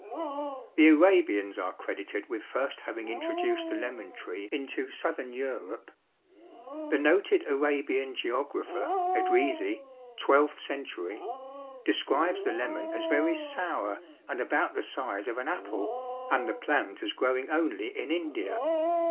The Arabians are credited with first having introduced the lemon tree into southern Europe. The noted Arabian geographer, Edrisi, twelfth century, describes the lemon as very sour and about the size of an apple and the plant as growing only in India.